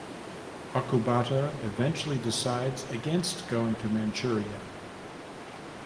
Okubata eventually decides against going to Manchuria.